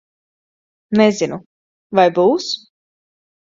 Nezinu. Vai būs?